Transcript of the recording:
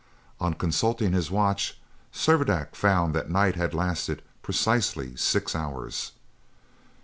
On consulting his watch, Servadac found that night had lasted precisely six hours.